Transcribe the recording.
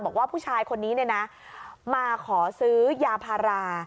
บอกว่าผู้ชายคนนี้เนี่ยนะมาขอซื้อยาพารา